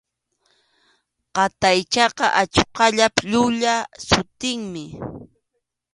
Qataychaqa achuqallap llulla sutinmi.